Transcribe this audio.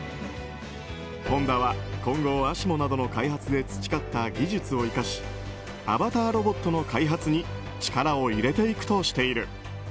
ホンダは今後、ＡＳＩＭＯなどの開発で培った技術を生かしアバターロボットの開発に力を入れていくとしている。